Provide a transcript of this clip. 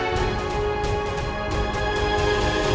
berada di luar itu